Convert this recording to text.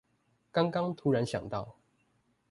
剛剛突然想到